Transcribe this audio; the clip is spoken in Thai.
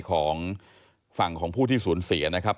ของฝั่งของผู้ที่สูญเสียนะครับ